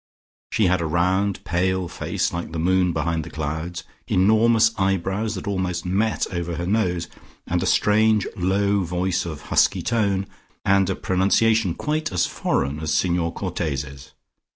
She had a round pale face like the moon behind the clouds, enormous eyebrows that almost met over her nose, and a strange low voice, of husky tone, and a pronunciation quite as foreign as Signor Cortese's.